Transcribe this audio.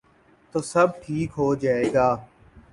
تو سب ٹھیک ہو جائے گا۔